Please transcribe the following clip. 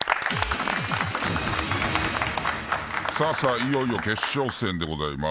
いよいよ決勝戦でございます。